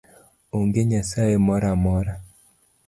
Onge nyasaye moro amora.